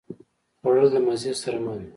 خوړل د مزې سره مل وي